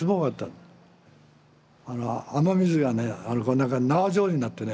雨水がねなんか縄状になってね